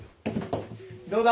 どうだ？